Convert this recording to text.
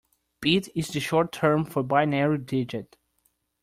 Bit is the short term for binary digit.